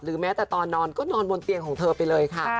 แม้แต่ตอนนอนก็นอนบนเตียงของเธอไปเลยค่ะ